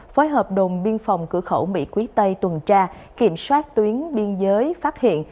với hợp đồng biên phòng cửa khẩu mỹ quý tây tuần tra kiểm soát tuyến biên giới phát hiện